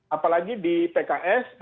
apalagi di pks